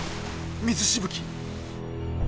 水しぶき。